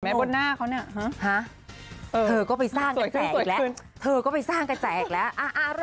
โอเคโอเคโอเค